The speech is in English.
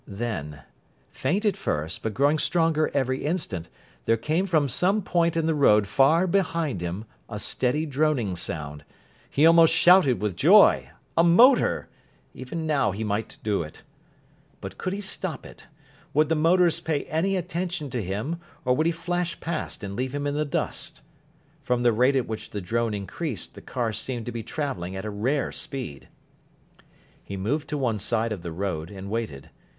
Then, faint at first, but growing stronger every instant, there came from some point in the road far behind him a steady droning sound. He almost shouted with joy. A motor! Even now he might do it. But could he stop it? Would the motorist pay any attention to him, or would he flash past and leave him in the dust? From the rate at which the drone increased the car seemed to be travelling at a rare speed. He moved to one side of the road, and waited.